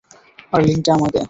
আর লিংকটা আমায় দে।